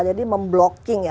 jadi memblokking ya